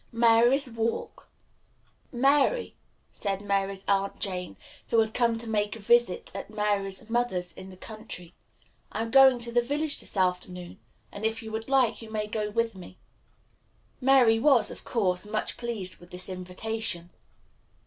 Mary's Walk. "Mary," said Mary's aunt, Jane, who had come to make a visit at Mary's mother's in the country, "I am going to the village this afternoon, and if you would like you may go with me." Mary was, of course, much pleased with this invitation.